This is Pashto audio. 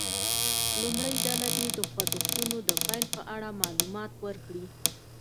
لومړۍ ډله دې د خوځښتونو د پیل په اړه معلومات ورکړي.